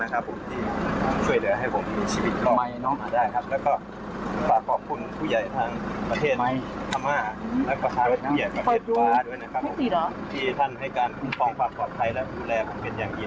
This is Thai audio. คุณฟองฝากปลอดภัยและคุณแรกของคุณเป็นอย่างดี